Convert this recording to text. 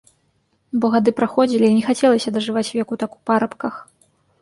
Бо гады праходзілі, і не хацелася дажываць веку так у парабках.